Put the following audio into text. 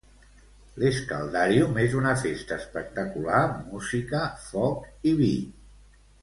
L'Escaldarium és una festa espectacular amb música, foc i vi.